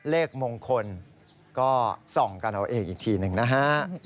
เลขมงคลก็ส่องกันเอาเองอีกทีหนึ่งนะฮะ